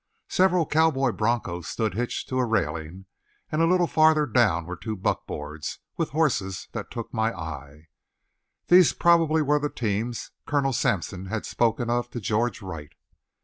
Several cowboy broncos stood hitched to a railing and a little farther down were two buckboards, with horses that took my eye. These probably were the teams Colonel Sampson had spoken of to George Wright.